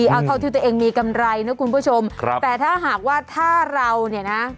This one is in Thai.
เอาเท่าที่ตัวเองมีกำไรนะคุณผู้ชมครับแต่ถ้าหากว่าถ้าเราเนี่ยนะ